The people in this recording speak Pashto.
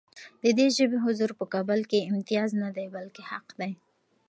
د دې ژبې حضور په کابل کې امتیاز نه دی، بلکې حق دی.